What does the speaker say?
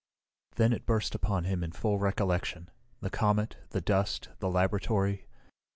Then it burst upon him in full recollection the comet, the dust, the laboratory.